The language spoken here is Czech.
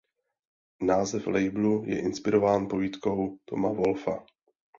Název labelu je inspirován povídkou Toma Wolfa.